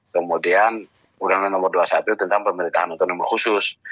kemudian undang undang nomor dua puluh satu tentang pemerintahan otonomi khusus